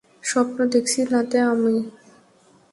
স্বপ্ন দেখছি নাতো আমি?